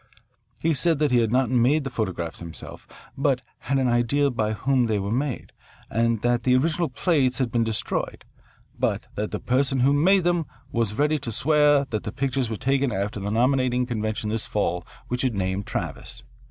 He said that he had not made the photographs himself, but had an idea by whom they were made, that the original plates had been destroyed, but that the person who made them was ready to swear that the pictures were taken after the nominating convention this fall which had named Travis.